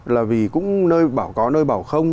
là vì cũng nơi bảo có nơi bảo không